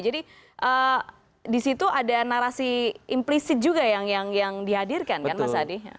jadi disitu ada narasi implisit juga yang dihadirkan kan mas adi